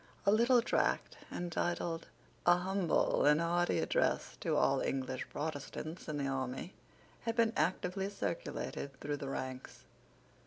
A little tract, entitled A humble and hearty Address to all English Protestants in the Army, had been actively circulated through the ranks.